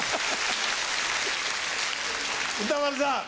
歌丸さん。